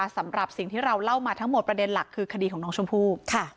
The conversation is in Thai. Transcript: สำหรับสิ่งที่เราเล่ามาทั้งหมดประเด็นหลักคือคดีของน้องชมพู่